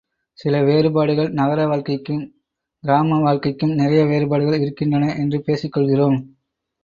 சில வேறுபாடுகள் நகர வாழ்க்கைக்கும் கிராமம வாழ்க்கைக்கும் நிறைய வேறுபாடுகள் இருக்கின்றன என்று பேசிக் கொள்கிறோம்.